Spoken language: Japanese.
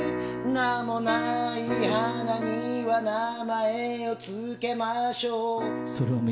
「名もない花には名前を付けましょう」。